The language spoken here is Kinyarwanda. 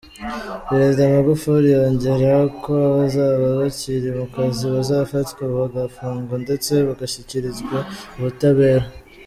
Perezida Magufuli yongeraho ko abazaba bakiri mu kazi bazafatwa bagafungwa ndetse bagashyikirizwa ubutabera.